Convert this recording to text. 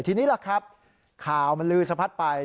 ทีนี้ล่ะครับข่าวมันลือสะพัดไป